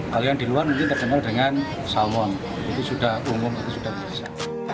kalau yang di luar mungkin terkenal dengan salmon itu sudah umum itu sudah biasa